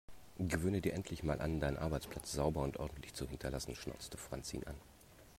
Gewöhne dir endlich mal an, deinen Arbeitsplatz sauber und ordentlich zu hinterlassen, schnauzte Franz ihn an.